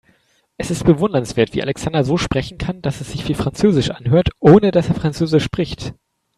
Es ist bewundernswert, wie Alexander so sprechen kann, dass es sich wie französisch anhört, ohne dass er französisch spricht.